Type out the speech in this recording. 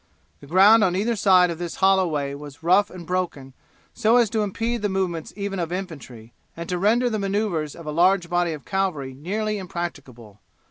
The ground on either side of this hollow way was rough and broken so as to impede the movements even of infantry, and to render the maneuvers of a large body of cavalry nearly impracticable.